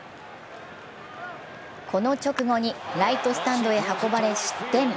この直後にライトスタンドへ運ばれ失点。